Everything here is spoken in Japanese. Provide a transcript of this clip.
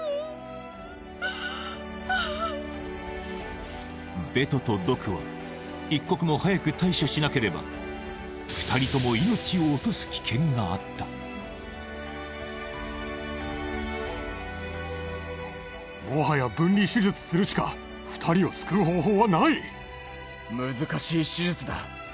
あベトとドクは一刻も早く対処しなければがあったもはや分離手術するしか２人を救う方法はない難しい手術だ